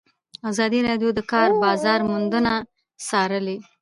ازادي راډیو د د کار بازار بدلونونه څارلي.